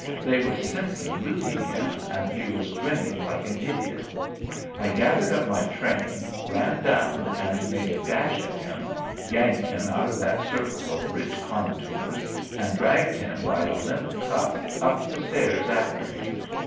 They were simply looting him, and he was grinning like an idiot. I gathered up my train, ran down, and made a dash at him, yanked him out of that circle of rich contours, and dragged him by a limp cuff up the stairs after me.